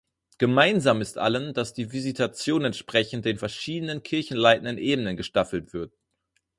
Gemeinsam ist allen, dass die Visitation entsprechend den verschiedenen kirchenleitenden Ebenen gestaffelt wird.